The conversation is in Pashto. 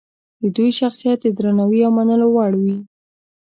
د دوی شخصیت د درناوي او منلو وړ وي.